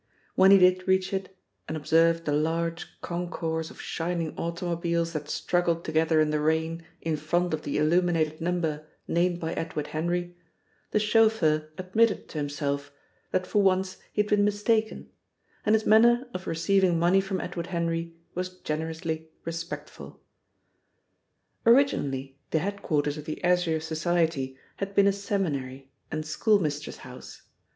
When he did reach it, and observed the large concourse of shining automobiles that struggled together in the rain in front of the illuminated number named by Edward Henry, the chauffeur admitted to himself that for once he had been mistaken, and his manner of receiving money from Edward Henry was generously respectful. Originally the headquarters of the Azure Society had been a seminary and schoolmistress' house.